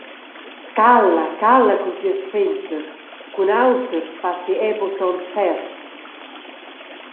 «Cala, cala cun tias fentas, cun auters fas ti era buca tons fers.»